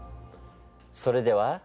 それでは。